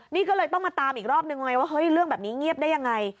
นี่ก็เลยต้องมาตามอีกรอบนึงไงว่าเฮ้ยเรื่องแบบนี้เงียบได้ยังไง